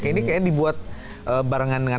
ini kayak dibuat barengan dengan